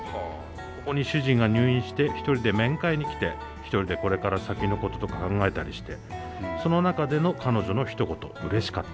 ここに主人が入院して一人で面会に来て一人でこれから先のこととか考えたりしてその中での彼女のひと言うれしかった。